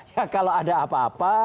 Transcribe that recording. ya kalau ada apa apa